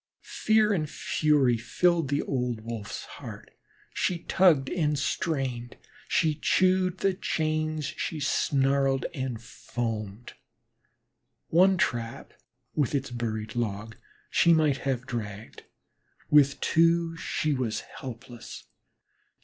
Fear and fury filled the old Wolf's heart; she tugged and strained, she chewed the chains, she snarled and foamed. One trap with its buried log, she might have dragged; with two, she was helpless.